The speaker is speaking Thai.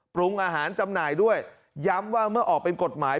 ปรุงอาหารจำหน่ายด้วยย้ำว่าเมื่อออกเป็นกฎหมาย